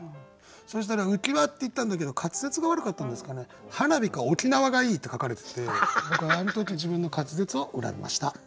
そしたら「うきわ」って言ったんだけど滑舌が悪かったんですかね「はなび」か「おきなわ」がいいって書かれてて僕あの時自分の滑舌を恨みました。